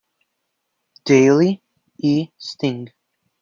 Daily, y Sting.